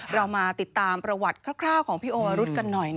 เรามาติดตามประวัติคร่าวของพี่โอวรุธกันหน่อย